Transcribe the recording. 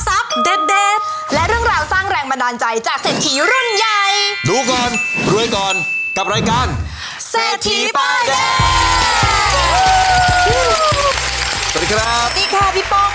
สวัสดีคร้าวค่ะพี่ปองผมพี่พี่ผมสวัสดีค่ะพี่ป้องค่ะขอบคุณพี่